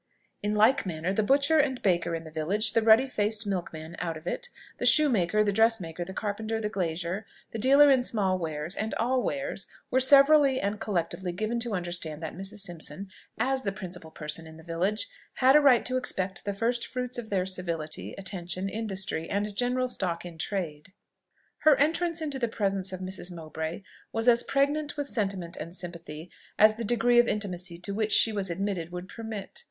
In like manner, the butcher and baker in the village, the ruddy faced milkman out of it, the shoemaker, the dressmaker, the carpenter, the glazier, the dealer in small wares and all wares, were severally and collectively given to understand that Mrs. Simpson, as the principal person in the village, had a right to expect the first fruits of their civility, attention, industry, and general stock in trade. Her entrance into the presence of Mrs. Mowbray was as pregnant with sentiment and sympathy as the degree of intimacy to which she was admitted would permit.